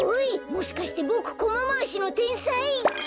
もしかしてボクコマまわしのてんさい？